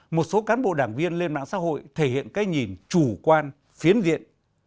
một số cán bộ đảng viên lên mạng xã hội thể hiện cái nhìn chủ quan phiến diện